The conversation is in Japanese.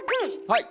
はい。